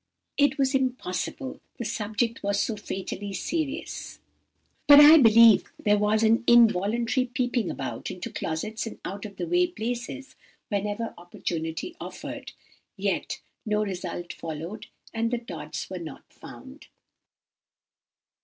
It was impossible; the subject was so fatally serious! ... But I believe there was an involuntary peeping about into closets and out of the way places whenever opportunity offered; yet no result followed, and the Tods were not found.